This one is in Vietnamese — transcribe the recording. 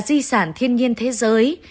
di sản thiên nhiên thế giới